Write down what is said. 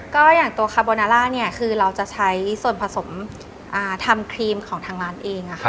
ก็อย่างตัวคาโบนาล่าเนี่ยคือเราจะใช้ส่วนผสมทำครีมของทางร้านเอง